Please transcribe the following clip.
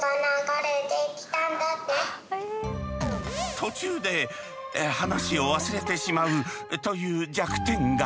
途中で話を忘れてしまうという弱点が。